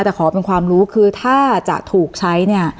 แต่ขอเป็นความรู้คือถ้าจะถูกใช้เนี่ย